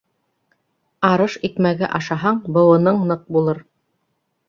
Арыш икмәге ашаһаң, быуының ныҡ булыр.